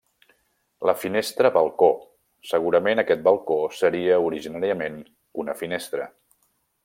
La finestra-balcó, segurament aquest balcó seria originàriament una finestra.